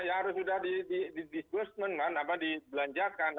ya harus sudah di discuss di belanjakan